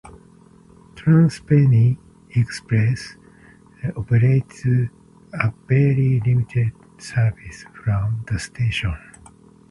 TransPennine Express operates a very limited service from the station.